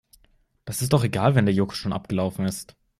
Das ist doch egal, wenn der Joghurt schon abgelaufen ist.